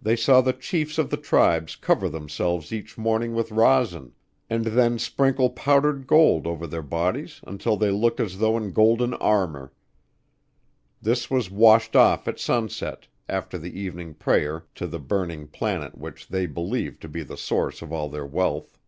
They saw the chiefs of the tribes cover themselves each morning with resin and then sprinkle powdered gold over their bodies until they looked as though in golden armor. This was washed off at sunset, after the evening prayer to the burning planet which they believed to be the source of all their wealth.